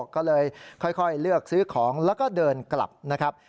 ก็เลยค่อยเลือกซื้อของแล้วก็เดินกลับนะครับ